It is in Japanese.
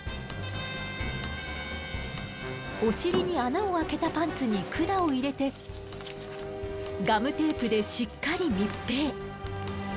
お尻に穴をあけたパンツに管を入れてガムテープでしっかり密閉。